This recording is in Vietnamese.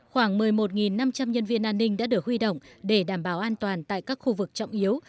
khoảng một mươi một năm trăm linh nhân viên an ninh đã được huy động để đảm bảo an toàn tại các khu vực trọng yếu